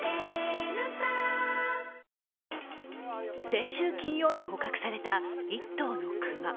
先週金曜に捕獲された１頭の熊。